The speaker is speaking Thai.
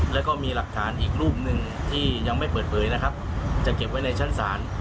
แล้วก็มีหลักฐานอีกรูปหนึ่งที่ยังไม่เปิดเผยนะครับจะเก็บไว้ในชั้นศาล